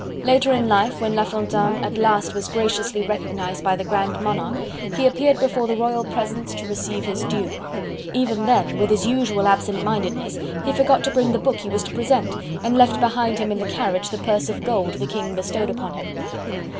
Later in life, when La Fontaine at last was graciously recognized by the grand monarch, he appeared before the royal presence to receive his due. Even then, with his usual absentmindedness, he forgot to bring the book he was to present, and left behind him in the carriage the purse of gold the King bestowed upon him.